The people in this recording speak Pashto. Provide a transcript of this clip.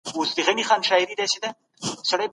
ځوانان مطالعه ته وهڅوئ.